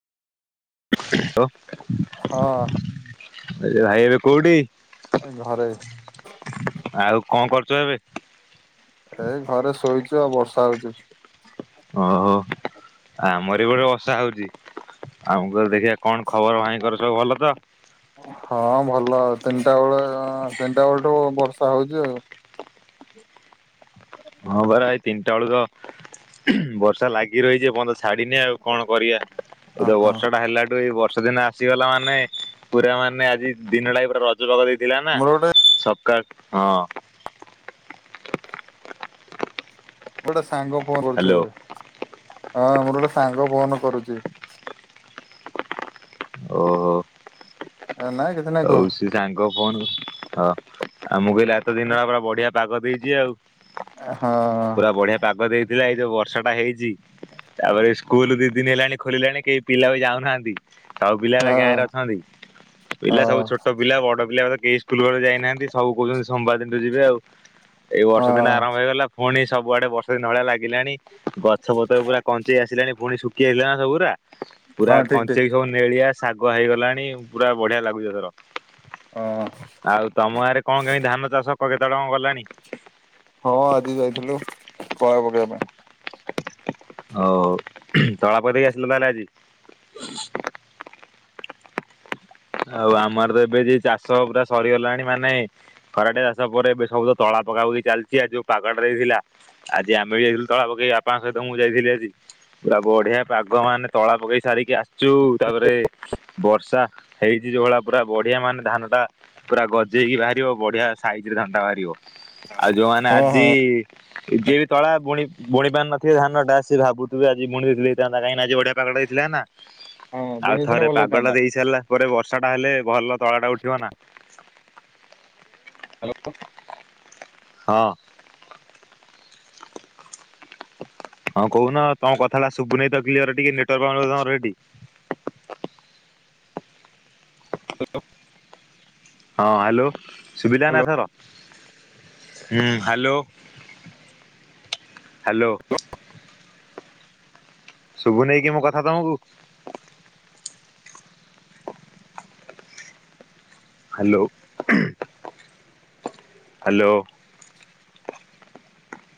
[unintelligible] ହଁ ଭାଇ ଏବେ କଉଠି? ଏ ଘରେ। ଆଉ କଣ କରୁଛ ଏବେ? ଏଇ ଘରେ ଶୋଇଛୁ ଆଉ ବର୍ଷା ହଉଛି। ଓହୋ ଆମର ଏପଟେ ବର୍ଷା ହଉଛି ଆମକୁ ଦେଖିବା କଣ ଖବର ଭାଇଙ୍କର ସବୁ ଭଲ ତ? ହଁ ଭଲ ଆତିନିଟା ବେଳେ ତିନିଟା ବେଳଠୁ ବର୍ଷା ହଉଛି ଆଉ। ହଁ ପରା ଏଇ ତିନିଟା ବେଳକୁ ବର୍ଷା ଲାଗି ରହିଛି ଏପରଯ୍ୟନ୍ତ ଛାଡିିନି ଆଉ। କଣ କରିବା ଏ ତ ଓହୋ ବର୍ଷଟା ହେଲାଠୁ ଏଇ ବର୍ଷ ଦିନେ ଆସିଗଲା ମାନେ ପୁରା ମାନେ ଆଜି ଦିନ ଟା ପୁରା ରଜ ପାଗ ଦେଇଥିଲା ନା ମୋର ଗୋଟେ ସକାଳ ହଁ ମୁ ଗୋଟେ ସାଙ୍ଗ ଫୋନ କରୁଛି ହ୍ୟାଲୋ ଏବେ ହଁ ମୋର ଗୋଟେ ସାଙ୍ଗ ଫୋନ କରୁଛି। ଓହୋ। ତା ନା ହଉ ସେ ସାଙ୍ଗ ଫୋନ ହଁ ଆଉ ମୁଁ କହିଲି ଏତ ଦିନ ହେଲା ପୁରା ବଢିଆ ପାଗ ଦେଇଛି ଆଉ। ହଁ। ପୁରା ବଢିଆ ପାଗ ଦେଇଥିଲା ଏଇ ଯୋଉ ବର୍ଷା ଟା ହେଇଛି ତାପରେ ସ୍କୁଲ ଦି ଦିନ ହେଲାଣି ଖୋଲିଲାଣି କେହି ପିଲା ବି ଯାଉନାହାନ୍ତି ସବୁ ପିଲା ହଁ ଏ ଗାଁରେ ହଁ ଅଛନ୍ତି। ପିଲା ସବୁ ଛୋଟ ପିଲା ବଡ ପିଲା କେହି ସ୍କୁଲ ଯାଇନାହାନ୍ତି ସବୁ କହୁଛନ୍ତି ସୋମବାର ଦିନଠୁ ଯିବେ ଆଉ। ଏଇ ବର୍ଷ ହଁ ଦିନ ଆରମ୍ଭ ହେଇଗଲା, ପୁଣି ସବୁଆଡେ ବର୍ଷା ଦିନ ଭଳିଆ ଲାଗିଲାଣି। ଗଛ ପତ୍ର ପୁରା କଞ୍ଚେଇ ଆସିଲାଣି, ପୁଣି ଶୁଖି ଯାଇଥିଲା ନା ସବୁୁଗୁରା। ପୁରା ହଁ ଠିକ ଠିକ। କଞ୍ଚେଇକି ସବୁ ନେଳିଆ ଶାଗୁଆ ହେଇଗଲାଣି ପୁରା ବଢିଆ ଲାଗୁଛି ଏଥର। ହଁ। ଆଉ ତମ ଗାଁରେ କଣ କେମିତି ଧାନ ଚାଷ କେତେ ବାଟ କଣ ଗଲାଣି? ହଁ, ଆଜି ଯାଇଥିଲୁ ତଳା ପକେଇବା ପାଇଁ। ହଉ ହଉ, ତଳା ପକେଇ ଦେଇକି ଆସିଲ ତାହେଲେ ଆଜି। ଆଉ ଆମର ତ ଏବେ ଯେ ଚାଷ ପୁରା ସରିଗଲାଣି ମାନେ ଖରାଟିଆ ଚାଷ ପରେ ଏବେ ସବୁ ତ ତଳା ପକା ପକି ଚାଲିଛି ଆଉ ଯୋଉ ପାଗଟା ଦେଇଥିଲା ଆଜି ଆମେ ବି ଯାଇଥିଲୁ ତଳା ପକେଇ ବାପାଙ୍କ ସହିତ ମୁଁ ଯାଇଥିଲି ଆଜି। ପୁରା ବଢିଆ ପାଗ ମାନେ ତଳା ପକେଇ ସାରିକି ଆସି ଚୁ ତାପରେ ବର୍ଷା ହେଇଛି ଯୋଉଭଳିଆ ପୁରା ବଢିଆ ମାନେ ଧାନ ଟା ପୁରା ଗଜେଇକି ବାହାରିବ ବଢିଆ ସାଇଜରେ ଧାନଟା ବାହାରିବ। ଆଉ ଯୋଉମାନେ ହଁ ଆଜି ହଁ ଯିଏ ବି ତଳା ବୁଣି ବୁଣି ପାରି ନଥିବେ ଧାନଟା ସେ ଭାବୁଥିବେ ଆଜି ବୁଣି ଦେଇଥିଲେ ହେଇଥାନ୍ତା, କାହିଁକି ଆଜି ବଢି ପାଗଟା ହେଇଥିଲା ନା, ହଁ ଆଉ ବୁଣିଦେଇଥିଲେ ଥରେ ଭଲ ପାଗଟା ହେଇଥାନ୍ତା। ଦେଇ ସାରିଲା ପରେ ବର୍ଷାଟା ହେଲେ ଭଲ ତଳାଟା ଉଠିବ ନା। ହ୍ୟାଲୋ। ହଁ। ହଁ, କହୁନ ତମ କଥାଟା ଶୁଭୁନେଇ ତ କ୍ଲିୟର ଟିକେ ନେଟୱାର୍କ ପାଉନଥିଲା ତମର ସେଠି। ହେଲୋ। ହଁ ହ୍ୟାଲୋ ସୁଭିଲା ନା ଏଥର, ହୁଁ ହ୍ୟାଲୋ। ହ୍ୟାଲୋ। ଶୁଭୁ ନେଇକି ମୋ କଥା ତମକୁ? ହ୍ୟାଲୋ। ହ୍ୟାଲୋ।